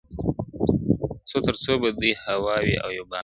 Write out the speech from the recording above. • څو تر څو به دوې هواوي او یو بام وي..